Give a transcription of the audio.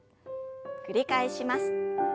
繰り返します。